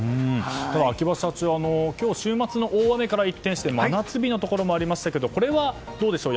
秋葉社長、今日週末の大雨から一転して真夏日のところもありましたけどこれはどうでしょう。